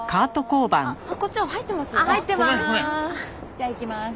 じゃあいきます。